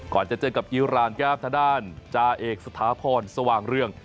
ก่อนจะเจอกับอีรานก็จะเอกสถาพรสว่างเรื่อง